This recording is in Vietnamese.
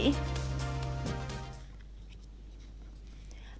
thưa quý vị